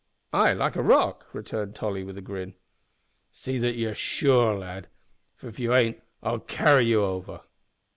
"Ay, like a rock," returned Tolly, with a grin. "See that you're sure, lad, for if you ain't I'll carry you over."